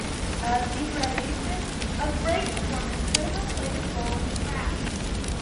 A degradation of brake performance could have played a role in the crash.